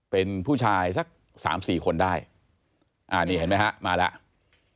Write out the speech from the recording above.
เป็นผู้ชายสัก๓๔คนได้นี่เห็นไหมครับมาแล้ว